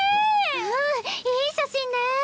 うんいい写真ね。